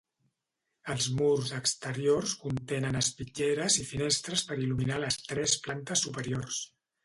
Els murs exteriors contenen espitlleres i finestres per il·luminar les tres plantes superiors.